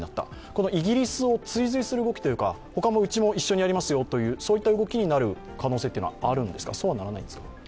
このイギリスと追随する動きというか、うちも一緒にやりますよというかそういった動きになる可能性はあるんですか、そうはならないんですか。